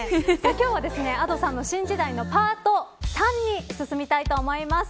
今日はＡｄｏさんの新時代のパート３に進みたいと思います。